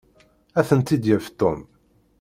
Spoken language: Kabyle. Ad tent-id-yaf Tom.